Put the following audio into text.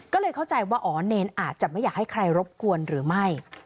ก็เลยเข้าใจว่าอ๋อเนรอาจจะไม่อยากให้ใครรบกวนหรือไม่